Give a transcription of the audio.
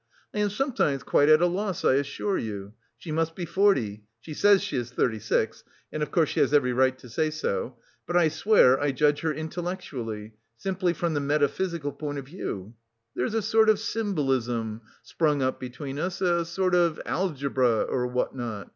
I am sometimes quite at a loss, I assure you.... She must be forty; she says she is thirty six, and of course she has every right to say so. But I swear I judge her intellectually, simply from the metaphysical point of view; there is a sort of symbolism sprung up between us, a sort of algebra or what not!